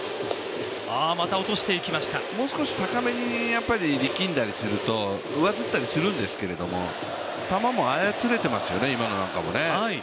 もう少し高めに、力んだりするとうわずったりするんですけど球も操れていますよね、今のなんかね。